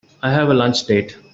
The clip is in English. I have a lunch date.